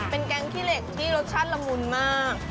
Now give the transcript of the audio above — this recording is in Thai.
เป็นแก๊งขี้เหล็กที่รสชาติละมุนมาก